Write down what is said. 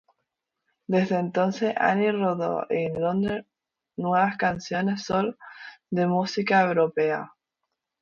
Desde entonces, Ani rodó en Londres nuevas canciones solo de música europea.